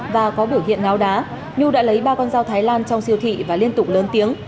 và có biểu hiện ngáo đá nhu đã lấy ba con dao thái lan trong siêu thị và liên tục lớn tiếng